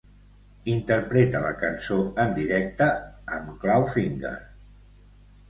Interpreta la cançó en directe amb Clawfinger.